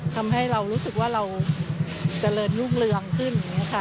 ทำให้เรารู้สึกว่าเราเจริญรุ่งเรืองขึ้น